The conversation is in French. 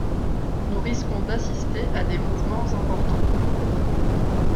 Nous risquons d’assister à des mouvements importants.